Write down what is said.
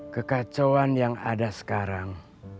kekacauan yang ada sekarang